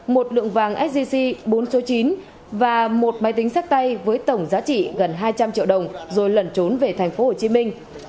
một lượng vàng sgc bốn số chín và một máy tính sách tay với tổng giá trị gần hai trăm linh triệu đồng rồi lẩn trốn về thành phố hồ chí minh